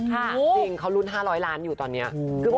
จริงเขาลุ้น๕๐๐ล้านอยู่ตอนนี้